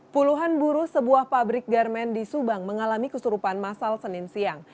puluhan buruh sebuah pabrik garmen di subang mengalami kesurupan masal senin siang